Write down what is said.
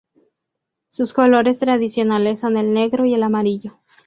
Sus colores tradicionales son el Negro Y el Amarillo.